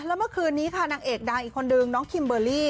แล้วเมื่อคืนนี้ค่ะนางเอกดังอีกคนนึงน้องคิมเบอร์รี่